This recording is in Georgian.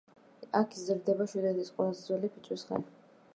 აქ იზრდება შვედეთის ყველაზე ძველი ფიჭვის ხე.